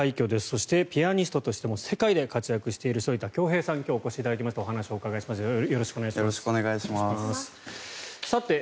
そして、ピアニストとしても世界で活躍している反田恭平さんに今日はお越しいただきまして